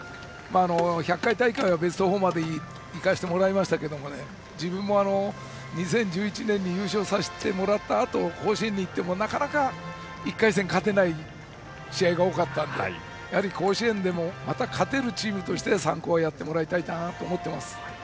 １００回大会はベスト４まで行かせていただきましたが自分も２０１１年に優勝させてもらって以降甲子園に行ってもなかなか１回戦勝てない試合が多かったのでやはり甲子園でもまた勝てるチームとして三高はやってもらいたいです。